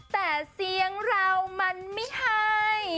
แต่เสียงเรามันไม่ให้